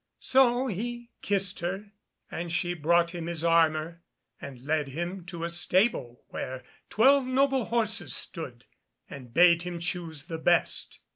So he kissed her, and she brought him his armour, and led him to a stable where twelve noble horses stood, and bade him choose the best.